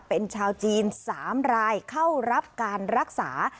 เป็นชาวจีน๓รายเข้ารับการรักษา